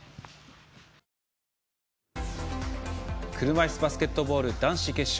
車いすバスケットボール男子決勝。